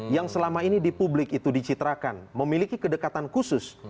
yang selama ini di publik itu dicitrakan memiliki kedekatan khusus